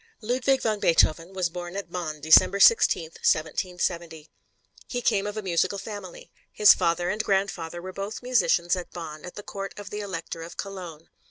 Ludwig van Beethoven was born at Bonn, December 16, 1770. He came of a musical family. His father and grandfather were both musicians at Bonn, at the Court of the Elector of Cologne.